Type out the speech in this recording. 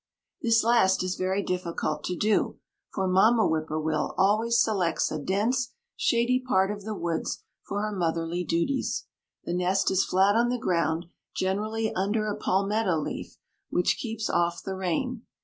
This last is very difficult to do, for mamma whippoorwill always selects a dense, shady part of the woods for her motherly duties. The nest is flat on the ground, generally under a palmetto leaf, which keeps off the rain.